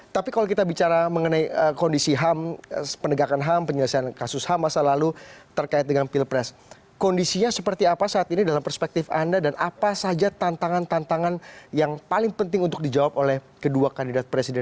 tapi kalau kita bicara mengenai kondisi ham penegakan ham penyelesaian kasus ham masa lalu terkait dengan pilpres kondisinya seperti apa saat ini dalam perspektif anda dan apa saja tantangan tantangan yang paling penting untuk dijawab oleh kedua kandidat presiden